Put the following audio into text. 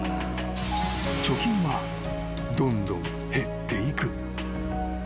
［貯金はどんどん減っていく］